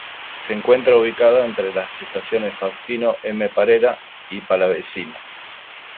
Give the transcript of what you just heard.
Se encuentra ubicada entre las estaciones Faustino M. Parera y Palavecino.